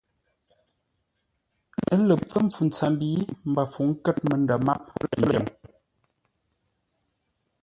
Ə́ lə pə́ mpfu ntsəmbi, Mbəfəuŋ kə̂r məndə̂ máp pə́ lə̂ ndyoŋ.